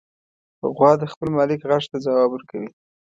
غوا د خپل مالک غږ ته ځواب ورکوي.